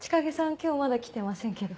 今日まだ来てませんけど。